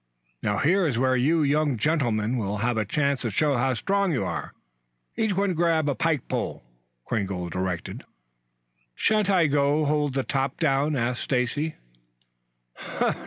"Now here is where you young gentlemen will have a chance to show how strong you are. Each one grab a pike pole," Kringle directed. "Shan't I go hold the top down?" asked Stacy.